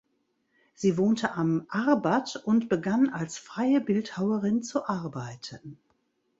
Sie wohnte am Arbat und begann als freie Bildhauerin zu arbeiten.